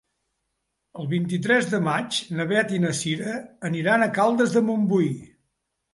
El vint-i-tres de maig na Beth i na Cira aniran a Caldes de Montbui.